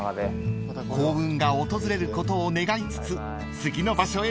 ［幸運が訪れることを願いつつ次の場所へ向かいます］